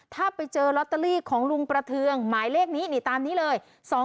ถ้าไปเจอลอตเตอรี่ของลุงประเทืองหมายเลขนี้นี่ตามนี้เลย